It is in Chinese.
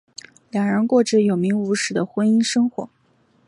两人过着有名无实的婚姻生活。